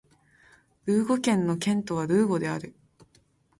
ルーゴ県の県都はルーゴである